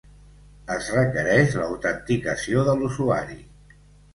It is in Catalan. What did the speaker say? Es requereix l'autenticació de l'usuari.